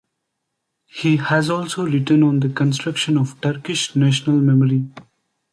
He has also written on the construction of Turkish national memory.